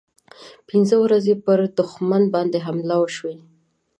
پنځه ورځې پر دښمن باندې حملې وشوې.